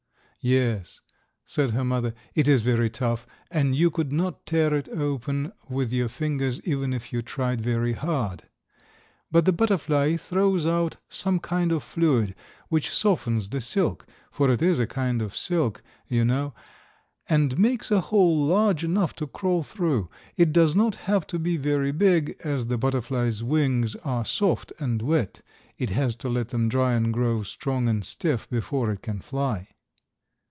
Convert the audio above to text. "Yes," said her mother, "it is very tough and you could not tear it open with your fingers even if you tried very hard. But the butterfly throws out some kind of fluid which softens the silk—for it is a kind of silk, you know—and makes a hole large enough to crawl through. It does not have to be very big, as the butterfly's wings are soft and wet. It has to let them dry and grow strong and stiff before it can fly."